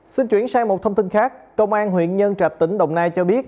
xin chuyển sang một thông tin khác công an huyện nhân trạch tỉnh đồng nai cho biết